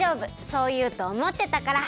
そういうとおもってたから。